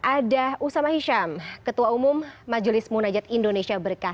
ada usama hisham ketua umum majulis munajat indonesia berkas